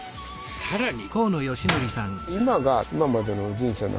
更に！